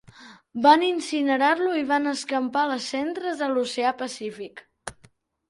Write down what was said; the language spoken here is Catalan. Van incinerar-lo i van escampar les cendres a l'oceà Pacífic.